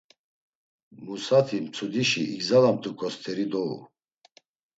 Musati mtsudişi igzalamt̆uǩo st̆eri dou.